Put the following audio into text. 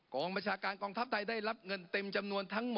บัญชาการกองทัพไทยได้รับเงินเต็มจำนวนทั้งหมด